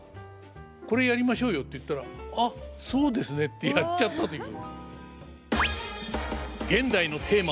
「これやりましょうよ」って言ったら「ああそうですね」ってやっちゃったという。